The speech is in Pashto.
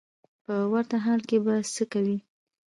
په ورته حال کې به څه کوې.